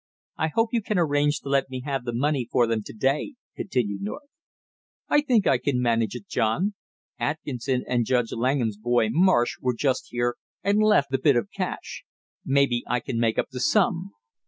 "I hope you can arrange to let me have the money for them to day," continued North. "I think I can manage it, John. Atkinson and Judge Langham's boy, Marsh, were just here and left a bit of cash. Maybe I can make up the sum."